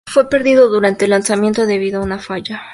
Fue perdido durante el lanzamiento debido a una falla.